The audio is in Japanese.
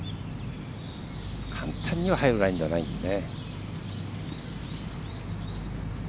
簡単には入るラインではないです。